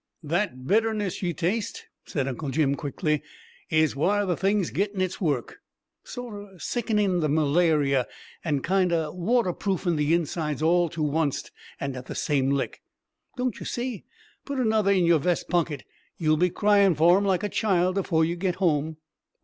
"That bitterness ye taste," said Uncle Jim quickly, "is whar the thing's gittin' in its work. Sorter sickenin' the malaria and kinder water proofin' the insides all to onct and at the same lick! Don't yer see? Put another in yer vest pocket; you'll be cryin' for 'em like a child afore ye get home.